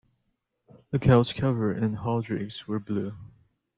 The couch cover and hall drapes were blue.